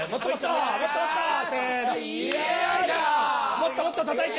もっともっと叩いて。